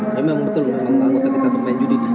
memang betul memang anggota kita bermain judi di sini